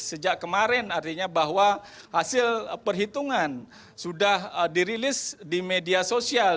sejak kemarin artinya bahwa hasil perhitungan sudah dirilis di media sosial